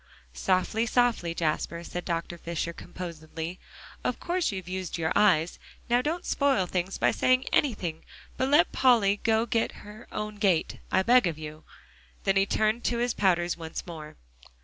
"Softly, softly, Jasper," said Dr. Fisher composedly. "Of course you've used your eyes. Now don't spoil things by saying anything, but let Polly 'go her own gait,' I beg of you." Then he turned to his powders once more.